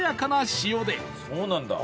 そうなんだ。